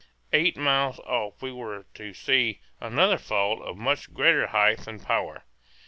Eight miles off we were to see another fall of much greater height and power.